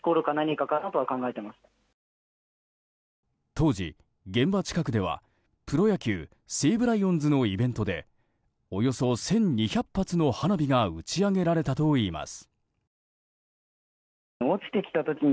当時、現場近くではプロ野球西武ライオンズのイベントでおよそ１２００発の花火が打ち上げられたといいます。